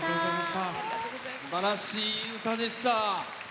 すばらしい歌でした。